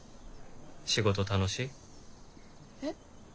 仕事楽しい？えっ？